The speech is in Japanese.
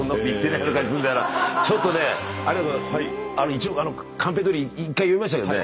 一応カンペどおり読みましたけどね